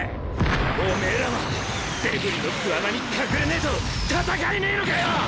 おめぇらはデブリの巣穴に隠れねぇと戦えねぇのかよ！